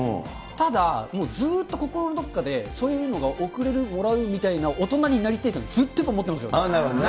ただ、もうずっと心のどこかでそういうのが贈れる、もらうみたいな、大人になりたいっていうのは、なるほどね。